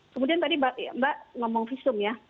kemudian tadi mbak ngomong visum ya